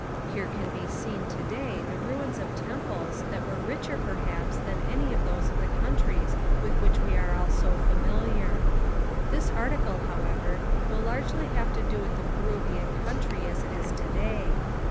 Here can be seen today the ruins of temples that were richer perhaps than any of those of the countries with which we are all so familiar. This article, however, will largely have to do with the Peruvian country as it is today.